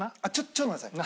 ちょっとごめんなさい。